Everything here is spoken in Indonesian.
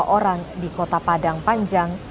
lima orang di kota padang panjang